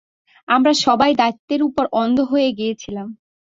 আমরা সবাই, দায়িত্বের উপর অন্ধ হয়ে গিয়েছিলাম।